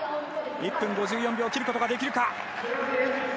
１分５４秒を切ることができるか。